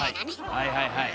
はいはいはい。